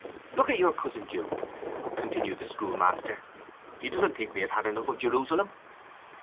"Look at your cousin Jude," continued the schoolmaster. "He doesn't think we have had enough of Jerusalem!"